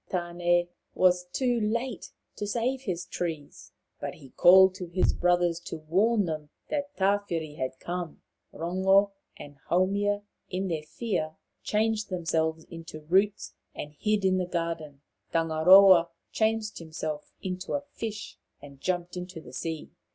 Tane was too late to save his trees, but he called to his brothers to warn them that Tawhiri had come. Rongo and Haumia, in their fear, changed themselves into roots and hid in the garden. Tangaroa changed himself into a fish and jumped into the sea.